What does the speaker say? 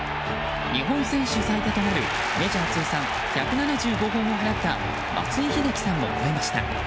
日本選手最多となるメジャー通算１７５本を放った松井秀喜さんを超えました。